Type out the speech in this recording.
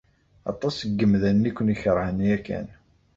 Aṭas n yemdanen i ken-ikeṛhen yakan.